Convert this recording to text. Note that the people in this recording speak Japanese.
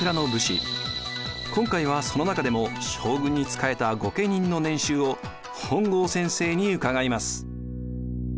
今回はその中でも将軍に仕えた御家人の年収を本郷先生に伺います。